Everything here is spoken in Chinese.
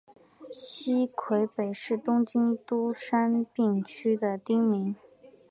西荻北是东京都杉并区的町名。